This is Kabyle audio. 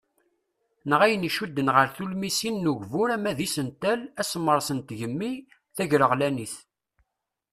Neɣ ayen iccuden ɣer tulmisin n ugbur ama d isental, asemres n tgemmi ,tagreɣlanit.